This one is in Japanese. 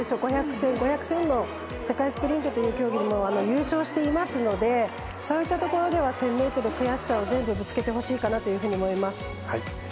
５００、１０００の世界スプリントでも優勝していますのでそういったところでは１０００ｍ悔しさを全部ぶつけてほしいかなと思います。